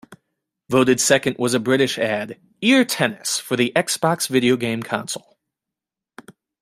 Voted second was a British ad, "Ear Tennis" for the Xbox video game console.